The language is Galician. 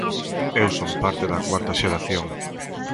Eu son parte da cuarta xeración.